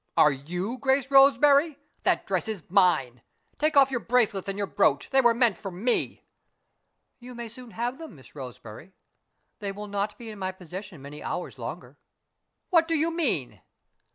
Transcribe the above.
Are you Grace Roseberry? That dress is mine. Take off your bracelets and your brooch. They were meant for me." "You may soon have them, Miss Roseberry. They will not be in my possession many hours longer." "What do you mean?"